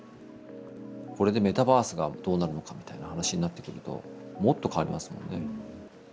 これでメタバースがどうなるのかみたいな話になってくるともっと変わりますもんね。